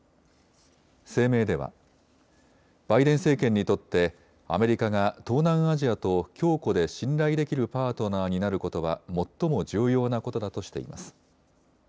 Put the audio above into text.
声明ではバイデン政権にとってアメリカが東南アジアと強固で信頼できるパートナーになることは最も重要なことだとしています。